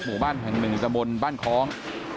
หมู่บ้านแห่งหนึ่งในตะบนบ้านคล้อง